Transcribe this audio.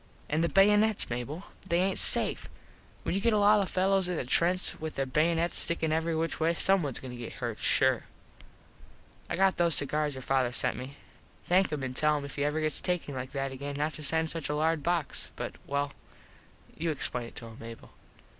An these baynuts, Mable. They aint safe. When you get a lot of fellos in a trench with there baynuts stickin every which way some ones goin to get hurt sure. I got those cigars your father sent me. Thank him an tell him if he ever gets takin like that again not to send such a large box but well you explain it to him Mable.